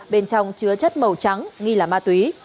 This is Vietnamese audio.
bên trong chứa chất màu trắng nghi là ma túy